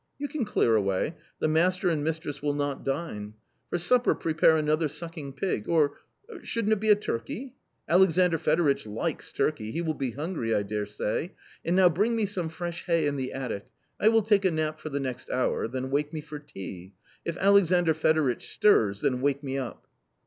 You can clear away ; rhe master and mistress will not dine. For supper prepare another sucking pig, or shouldn't it be a turkey ? Alexandr Fedoritch likes turkey : he will be hungry, I dare say. And now bring me some fresh hay in the attic, I will take a nap for the next hour ; then wake me for tea. If Alexandr Fedoritch stirs, then wake me up.